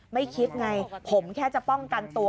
ไม่คิดไงผมแค่จะป้องกันตัว